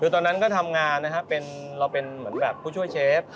คือตอนนั้นก็ทำงานนะครับเราเป็นเหมือนแบบผู้ช่วยเชฟ